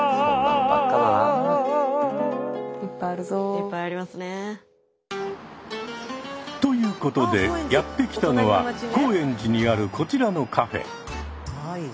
いっぱいありますね。ということでやって来たのは高円寺にあるこちらのカフェ。